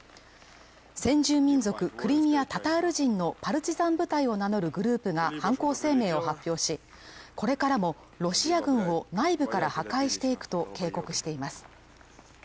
先住民族クリミア・タタール人のパルチザン部隊を名乗るグループが犯行声明を発表しこれからもロシア軍を内部から破壊していくと警告しています